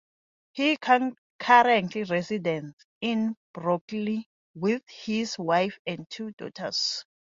He currently resides in Brooklyn with his wife and two daughters.